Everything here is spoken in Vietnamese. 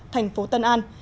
thành phố tân an